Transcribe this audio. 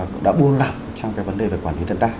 cũng đã buôn lặng trong cái vấn đề về quản lý đất đai